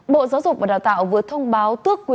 bộ giáo dục và đào tạo vừa thông báo